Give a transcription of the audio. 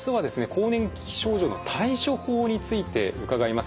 更年期症状の対処法について伺います。